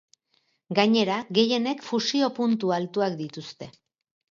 Gainera, gehienek fusio-puntu altuak dituzte.